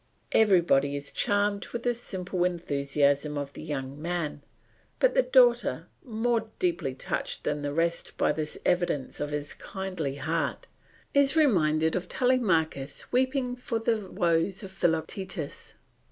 Everybody is charmed with the simple enthusiasm of the young man; but the daughter, more deeply touched than the rest by this evidence of his kindly heart, is reminded of Telemachus weeping for the woes of Philoctetus.